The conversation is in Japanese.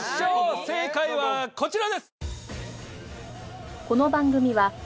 正解はこちらです。